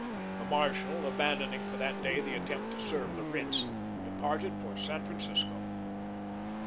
The marshal, abandoning for that day the attempt to serve the writs, departed for San Francisco.